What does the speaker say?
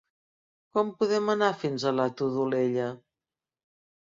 Com podem anar fins a la Todolella?